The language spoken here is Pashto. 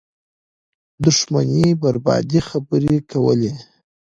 دښمنۍ بربادۍ خبرې کولې